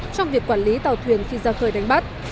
trong việc quản lý tàu thuyền khi ra khơi đánh bắt